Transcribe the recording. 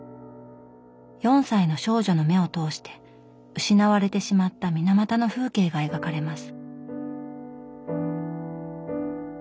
４歳の少女の目を通して失われてしまった水俣の風景が描かれます。